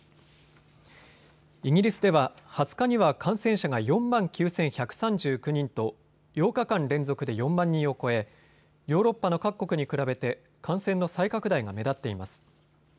イギリスでは２０日には感染者が４万９１３９人と８日間連続で４万人を超えヨーロッパの各国に比べて感染の再拡大が目立っています。